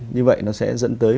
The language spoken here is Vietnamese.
như vậy nó sẽ dẫn tới